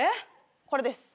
これです。